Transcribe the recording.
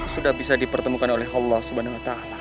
sudah bisa dipertemukan oleh allah s w